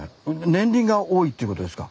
年輪が多いっていうことですか？